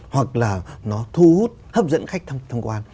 hoặc là nó thu hút hấp dẫn khách tham quan